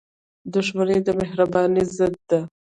• دښمني د مهربانۍ ضد ده.